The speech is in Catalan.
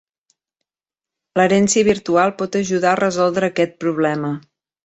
L'herència virtual pot ajudar a resoldre aquest problema.